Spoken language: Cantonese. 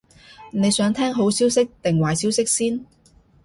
你想聽好消息定壞消息先？